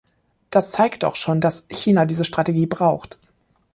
Das zeigt doch schon, dass China diese Strategie braucht.